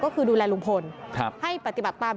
ก็คือดูแลลุงพลให้ปฏิบัติตาม